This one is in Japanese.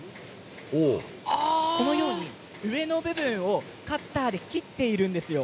このように上の部分をカッターで切っているんですよ。